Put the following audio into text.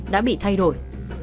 đã bị thay đổi